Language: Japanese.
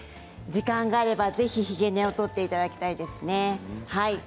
時間があれば、ぜひ、ひげ根を取っていただきたいですね。